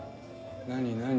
何何？